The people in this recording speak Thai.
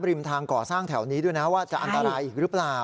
ริมทางก่อสร้างแถวนี้ด้วยนะว่าจะอันตรายอีกหรือเปล่า